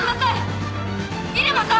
入間さん